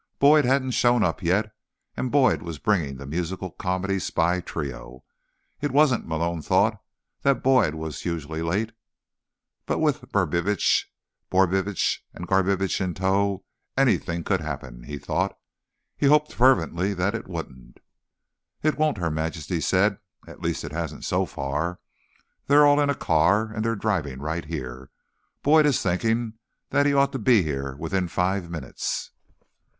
Boyd hadn't shown up yet, and Boyd was bringing the musical comedy spy trio. It wasn't, Malone thought, that Boyd was usually late. But with Brubitsch, Borbitsch and Garbitsch in tow, almost anything could happen, he thought. He hoped fervently that it wouldn't. "It won't," Her Majesty said. "At least, it hasn't so far. They're all in a car, and they're driving right here. Boyd is thinking that he ought to be here within five minutes."